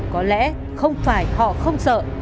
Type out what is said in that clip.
có lẽ không phải họ không sợ